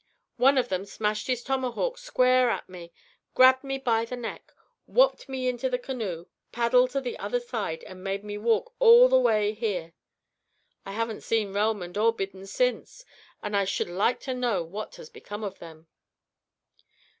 One of them smashed his tomahawk square at me, grabbed me by the neck, whopped me into the canoe, paddled to the other side, and made me walk all the way here. I haven't seen Relmond or Biddon since, and I should like to know what has become of them."